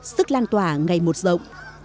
sức lan tỏa ngày một rộng